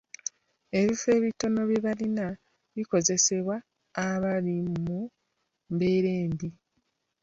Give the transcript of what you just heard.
Ebifo ebitono bye balina bikozesebwe abali mu mbeera embi